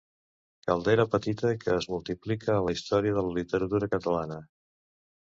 Caldera petita que es multiplica a la història de la literatura catalana.